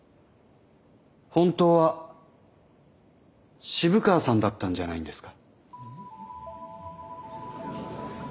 本当は渋川さんだったんじゃないんですか。